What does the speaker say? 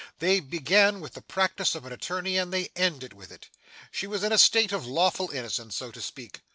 They began with the practice of an attorney and they ended with it. She was in a state of lawful innocence, so to speak.